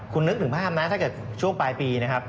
คุณนึกถึงภาพถ้าเกิดช่วงปลายปี